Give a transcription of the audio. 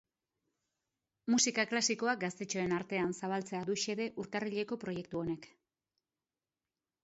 Musika klasikoa gaztetxoen artean zabaltzea du xede urtarrileko proiektu honek.